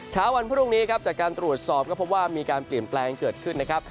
เช้าวันพรุ่งนี้ครับจากการตรวจสอบก็พบว่ามีการเปลี่ยนแปลงเกิดขึ้นนะครับ